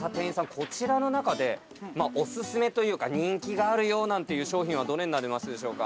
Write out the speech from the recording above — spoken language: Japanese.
こちらの中でおすすめというか人気があるよなんていう商品はどれになりますでしょうか？